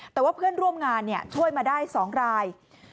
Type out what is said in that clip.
แต่ว่าเพื่อนร่วมงานช่วยมาได้๒ราย